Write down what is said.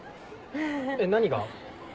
えっ何が？